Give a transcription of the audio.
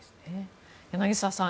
柳澤さん